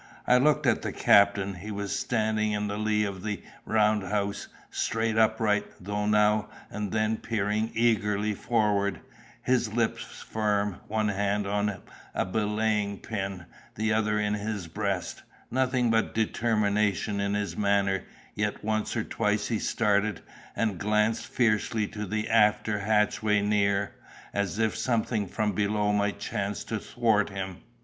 I looked at the captain: he was standing in the lee of the round house, straight upright, though now and then peering eagerly forward, his lips firm, one hand on a belaying pin, the other in his breast—nothing but determination in his manner: yet once or twice he started, and glanced fiercely to the after hatchway near, as if something from below might chance to thwart him.